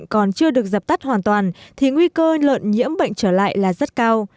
lợn còn chưa được dập tắt hoàn toàn thì nguy cơ lợn nhiễm bệnh trở lại là rất cao